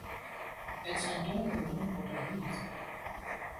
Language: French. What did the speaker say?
Elles sont donc au nombre de douze.